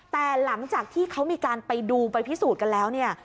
แต่หลังจากที่เขามีการไปดูไปพิสูจน์กันแล้วเนี่ย